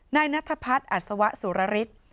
นายนัทพัฒน์อัสวสุรริษฐ์